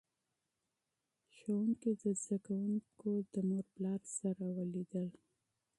ښوونکي د زده کوونکو د والدینو سره ګوري.